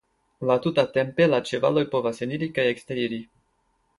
La tuta tempe la ĉevaloj povas eniri kaj eksteriri.